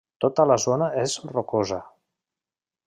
Tota la zona és rocosa.